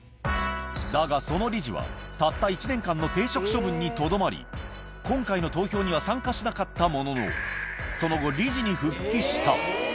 だが、その理事はたった１年間の停職処分にとどまり、今回の投票には参加しなかったものの、その後、理事に復帰した。